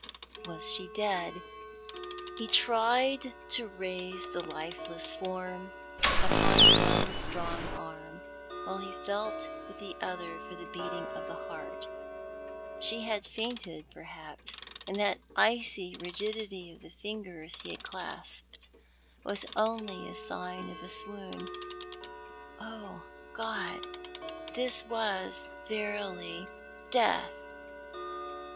Was she dead ? He tried to raise the lifeless form upon one strong arm, while lie felt with the other hand for the beating of the heart. She had fainted, perhaps, and that icy rigidity of the lingers he had clasped was only the sign of a swoon. Oh, God ! this was verily death